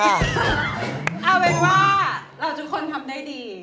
เอาเป็นว่าเราทุกคนทำได้ดี